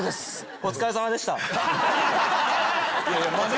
お疲れさまでした。